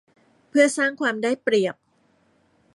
เพื่อสร้างความได้เปรียบ